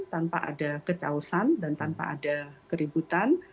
tanpa ada kecausan dan tanpa ada keributan